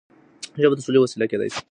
ژبه د سولې وسيله کيدای شي.